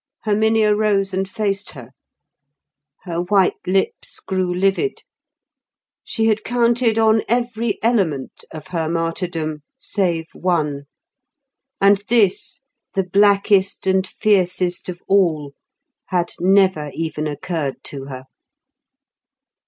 Herminia rose and faced her. Her white lips grew livid. She had counted on every element of her martyrdom—save one; and this, the blackest and fiercest of all, had never even occurred to her.